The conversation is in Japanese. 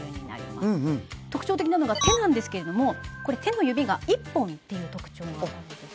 特徴的なのが手なんですけれどもこれ手の指が１本っていう特徴があるんです。